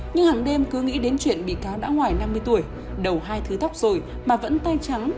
nhưng hàng đêm cứ nghĩ đến chuyện bị cáo đã ngoài năm mươi tuổi đầu hai thứ thóc rồi mà vẫn tay trắng